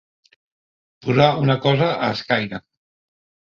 Posar una cosa a escaire.